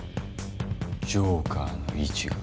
ジョーカーの位置が。